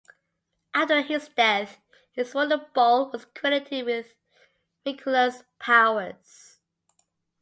After his death his wooden bowl was credited with miraculous powers.